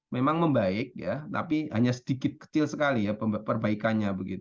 memang membaik tapi hanya sedikit kecil sekali perbaikannya